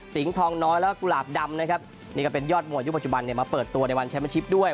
ทองน้อยแล้วก็กุหลาบดำนะครับนี่ก็เป็นยอดมวยยุคปัจจุบันเนี่ยมาเปิดตัวในวันแชมเป็นชิปด้วย